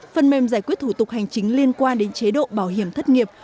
phần mềm giải quyết thủ tục hành chính liên quan đến chế độ bảo hiểm thất nghiệp